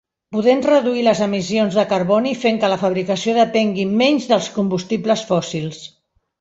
Podem reduir les emissions de carboni fent que la fabricació depengui menys dels combustibles fòssils.